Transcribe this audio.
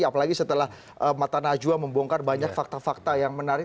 apalagi setelah mata najwa membongkar banyak fakta fakta yang menarik